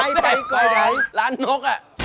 ไปถ่ายร้านนกอ่ะ